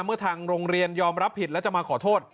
เมื่อทางโรงเรียนยอมรับผิดแล้วจะมาขอโทษ